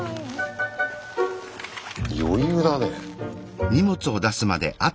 余裕だね。